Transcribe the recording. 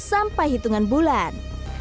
sampai hitungan bulan